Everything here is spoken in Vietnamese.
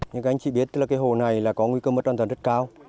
nhưng các anh chị biết là cái hồ này là có nguy cơ mất an toàn rất cao